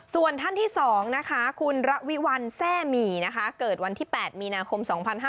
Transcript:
ส่วนท่านที่๒นะคะคุณระวิวัลแซ่หมี่นะคะเกิดวันที่๘มีนาคม๒๕๕๙